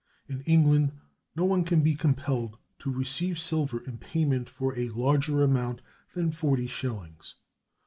In England no one can be compelled to receive silver in payment for a larger amount than forty shillings.